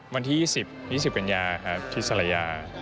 วันที่๒๐๒๐กันยาครับที่สระยา